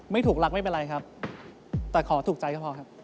ไม่ถูกรักไม่เป็นไรครับแต่ขอถูกใจก็พอครับ